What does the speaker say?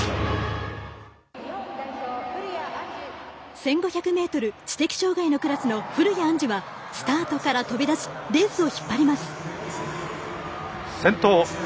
１５００ｍ知的障がいのクラスの古屋杏樹はスタートから飛び出しレースを引っ張ります。